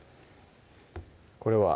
これは？